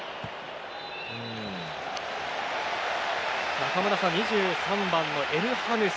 中村さん２３番のエルハヌス